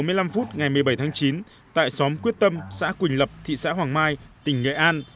vào hồi một mươi chín h bốn mươi năm ngày một mươi bảy tháng chín tại xóm quyết tâm xã quỳnh lập thị xã hoàng mai tỉnh nghệ an